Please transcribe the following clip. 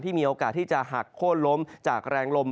มีโอกาสที่จะหักโค้นล้มจากแรงลม